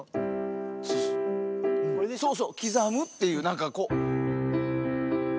そうそう刻むっていうなんかこう。